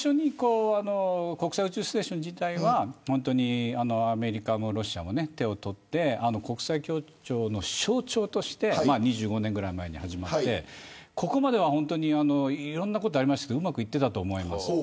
国際宇宙ステーション自体はアメリカもロシアも手を取って国際協調の象徴として２５年ぐらい前に始まってここまではいろんな事ありましたけれどうまくいっていたと思います。